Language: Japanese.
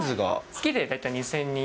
月で大体２０００人。